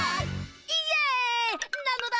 イエイなのだ！